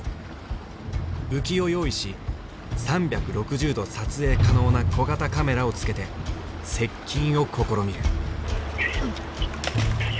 浮きを用意し３６０度撮影可能な小型カメラをつけて接近を試みる。